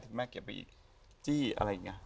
ที่คุณแม่เก็บไปอีกจี้อะไรอีก